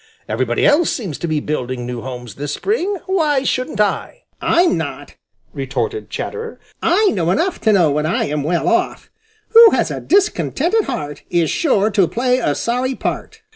Everybody else seems to be building new homes this spring; why shouldn't I?" "I'm not!" retorted Chatterer. "I know enough to know when I am well off. "Who has a discontented heart Is sure to play a sorry part."